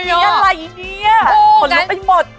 ประเด็นทำอะไรนี่หนึ่งเป้นหมด